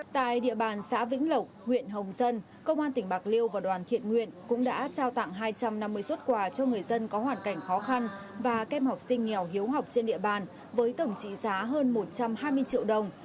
tại địa bàn xã vĩnh lộc huyện hồng dân công an tỉnh bạc liêu và đoàn thiện nguyện cũng đã trao tặng hai trăm năm mươi xuất quà cho người dân có hoàn cảnh khó khăn và kem học sinh nghèo hiếu học trên địa bàn với tổng trị giá hơn một trăm hai mươi triệu đồng